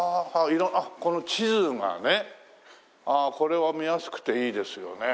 ああこの地図がね。これは見やすくていいですよね。